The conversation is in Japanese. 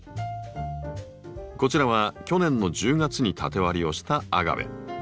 こちらは去年の１０月に縦割りをしたアガベ。